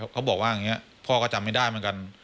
เขาบอกว่าอย่างนี้พ่อก็จำไม่ได้เหมือนกัน